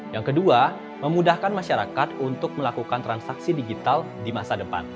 yang kedua memudahkan masyarakat untuk melakukan transaksi digital di masa depan